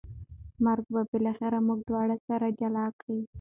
مرګ به بالاخره موږ دواړه سره جلا کړي